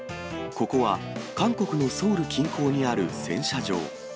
ここは、韓国のソウル近郊にある洗車場。